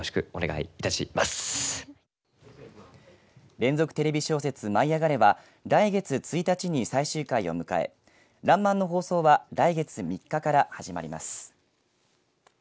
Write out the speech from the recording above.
連続テレビ小説、舞いあがれ！は来月１日に最終回を迎えらんまんの放送は来月３日から始まります。